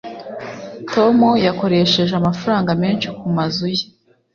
tom yakoresheje amafaranga menshi kumazu ye